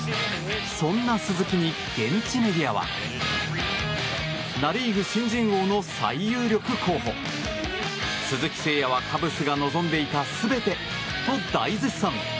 そんな鈴木に現地メディアはナ・リーグ新人王の最有力候補鈴木誠也はカブスが望んでいた全てと大絶賛。